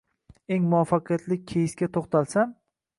— Eng muvaffaqiyatli keysga toʻxtalsam